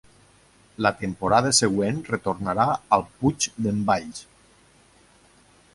La temporada següent retornà al Puig d’en Valls.